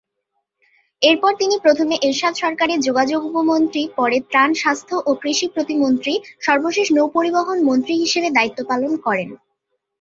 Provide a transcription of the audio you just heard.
এরপর তিনি প্রথমে এরশাদ সরকারের যোগাযোগ উপমন্ত্রী পরে ত্রাণ, স্বাস্থ্য ও কৃষি প্রতিমন্ত্রী, সর্বশেষ নৌপরিবহন মন্ত্রী হিসেবে দায়িত্ব পালন করেন।